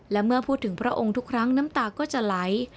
และเมื่อพูดถึงพระองค์ทุกครั้งน้ำตาก็จะไหล